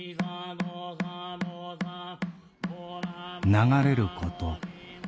「流れること。